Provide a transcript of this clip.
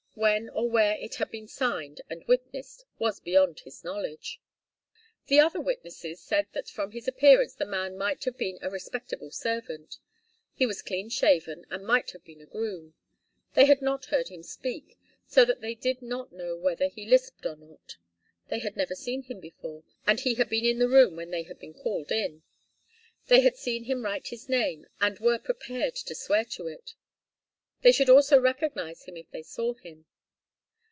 When or where it had been signed and witnessed was beyond his knowledge. The other witnesses said that from his appearance the man might have been a respectable servant. He was clean shaven, and might have been a groom. They had not heard him speak, so that they did not know whether he lisped or not. They had never seen him before, and he had been in the room when they had been called in. They had seen him write his name, and were prepared to swear to it. They should also recognize him if they saw him.